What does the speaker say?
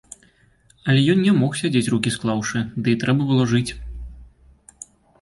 Але ён не мог сядзець рукі склаўшы, ды і трэба было жыць.